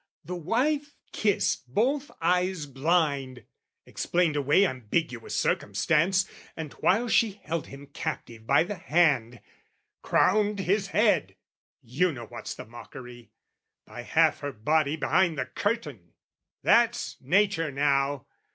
The wife kissed both eyes blind, Explained away ambiguous circumstance, And while she held him captive by the hand, Crowned his head, you know what's the mockery, By half her body behind the curtain. That's Nature now!